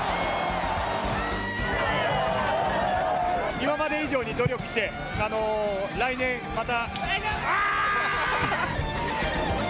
今まで以上に努力して来年また。